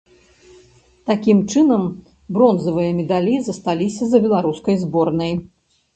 Такім чынам, бронзавыя медалі засталіся за беларускай зборнай.